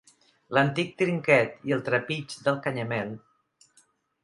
L’antic trinquet i el trapig del canyamel.